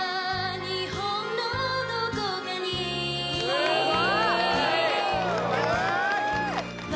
・すごい！